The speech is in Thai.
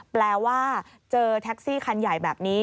แปลว่าเจอแท็กซี่คันใหญ่แบบนี้